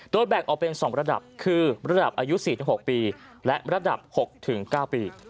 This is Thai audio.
โดยแบ่งออกเป็น๒ระดับคือระดับอายุ๔๖ปีและระดับ๖๙ปี